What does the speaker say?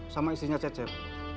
sama istrinya cecep